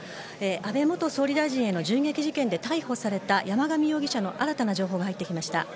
安倍元総理大臣への銃撃事件で逮捕された山上容疑者の新たな情報が入ってきました。